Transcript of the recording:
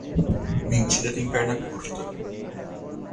Mentira tem perna curta.